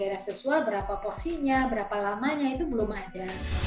dan gairah seksual berapa porsinya berapa lamanya itu belum ada